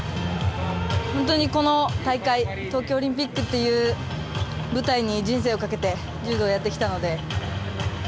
本当に、この大会東京オリンピックという舞台に人生をかけて柔道をやってきたので。